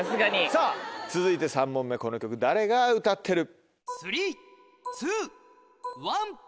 さぁ続いて３問目この曲誰が歌ってる？